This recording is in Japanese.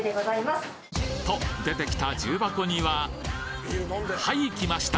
と出てきた重箱にははい来ました！